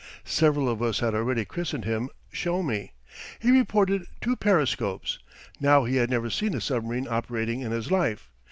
Several of us had already christened him "Show me." He reported two periscopes. Now he had never seen a submarine operating in his life.